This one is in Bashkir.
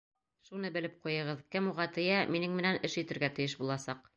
Шуны белеп ҡуйығыҙ: кем уға тейә, минең менән эш итергә тейеш буласаҡ.